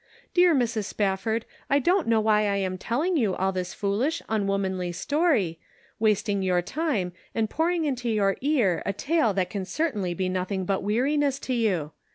Dear Mrs. Spafford, I don't know why I am telling you all this foolish, unwomanly story, wasting your time and pouring into your ear a tale that can certainly be nothing but weariness to you